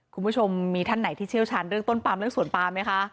คุณผู้ชมมีท่านไหนที่เชี่ยวชาญเรื่องต้นปามเรื่องสวนปามไหมคะ